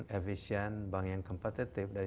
efisien bank yang kompetitif dari